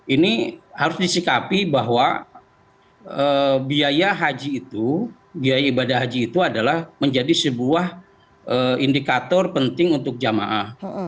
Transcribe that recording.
ini harus disikapi bahwa biaya haji itu biaya ibadah haji itu adalah menjadi sebuah indikator penting untuk jamaah